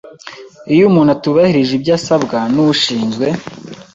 Iyo umuntu atubahirije ibyo asabwa n ushinzwe